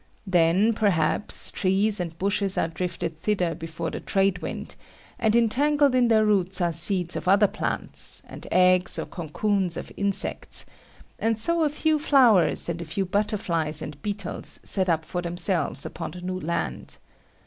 Then, perhaps, trees and bushes are drifted thither before the trade wind; and entangled in their roots are seeds of other plants, and eggs or cocoons of insects; and so a few flowers and a few butterflies and beetles set up for themselves upon the new land.